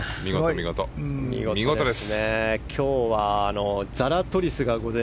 見事です。